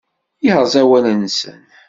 Yerẓa awal-nsen.